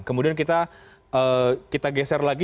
kemudian kita geser lagi